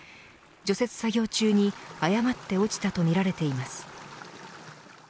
除雪作業中に誤って落ちたとみられています。